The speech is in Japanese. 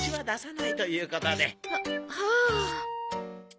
ははあ。